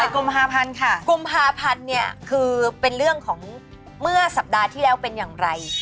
กุมภาพันธ์ค่ะกุมภาพันธ์เนี่ยคือเป็นเรื่องของเมื่อสัปดาห์ที่แล้วเป็นอย่างไร